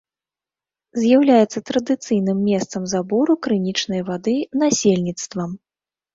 З'яўляецца традыцыйным месцам забору крынічнай вады насельніцтвам.